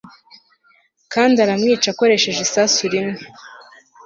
kandi aramwica akoresheje isasu rimwe